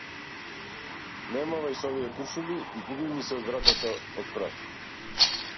Не мавај со овие куршуми и губи ми се од вратата од спрат!